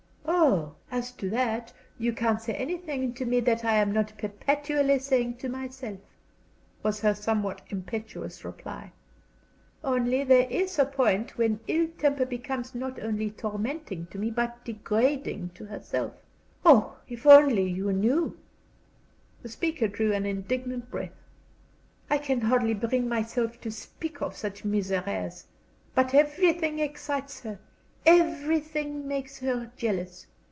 "Oh, as to that, you can't say anything to me that I am not perpetually saying to myself," was her somewhat impetuous reply. "Only there is a point when ill temper becomes not only tormenting to me but degrading to herself.... Oh, if you only knew!" the speaker drew an indignant breath. "I can hardly bring myself to speak of such misères. But everything excites her, everything makes her jealous.